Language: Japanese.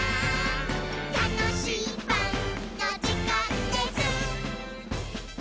「たのしいパンのじかんです！」